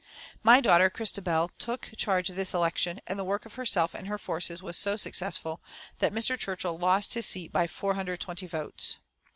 My daughter Christabel took charge of this election, and the work of herself and her forces was so successful that Mr. Churchill lost his seat by 420 votes.